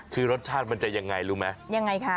คือรสชาติมันจะยังไงรู้ไหมยังไงคะ